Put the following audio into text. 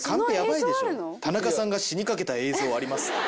「田中さんが死にかけた映像あります」って。